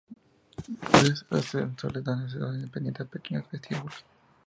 Tres ascensores dan acceso independiente a pequeños vestíbulos.